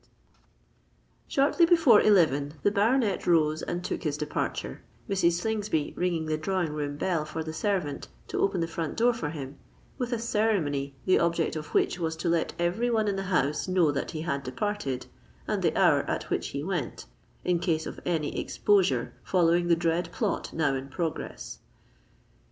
Shortly before eleven the baronet rose and took his departure, Mrs. Slingsby ringing the drawing room bell for the servant, to open the front door for him, with a ceremony the object of which was to let every one in the house know that he had departed, and the hour at which he went—in case of any exposure following the dread plot now in progress!